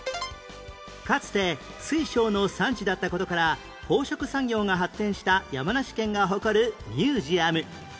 かつて水晶の産地だった事から宝飾産業が発展した山梨県が誇るミュージアム